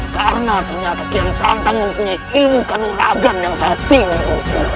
karena ternyata kian santang mempunyai ilmu kanon agam yang sastri gusti